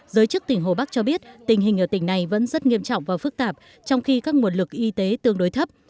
giới chức tỉnh hồ bắc cho biết tình hình ở tỉnh này vẫn rất nghiêm trọng và phức tạp trong khi các nguồn lực y tế tương đối thấp